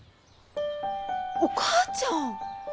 お母ちゃん！